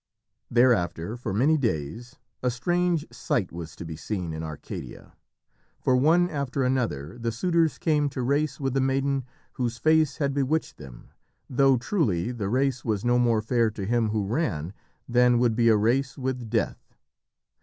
Thereafter, for many days, a strange sight was to be seen in Arcadia. For one after another the suitors came to race with the maiden whose face had bewitched them, though truly the race was no more fair to him who ran than would be a race with Death.